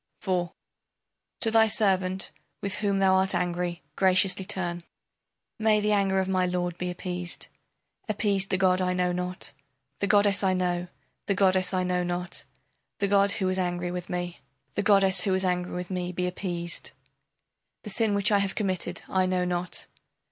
IV To thy servant with whom thou art angry graciously turn. May the anger of my lord be appeased, Appeased the god I know not! The goddess I know, the goddess I know not, The god who was angry with me, The goddess who was angry with me be appeased! The sin which I have committed I know not.